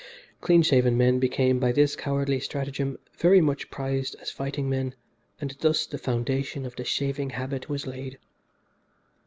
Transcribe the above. Clean shaved men became, by this cowardly stratagem, very much prized as fighting men, and thus the foundation of the shaving habit was laid.